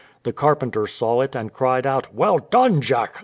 The carpenter saw it, and cried out, "Well done, Jack!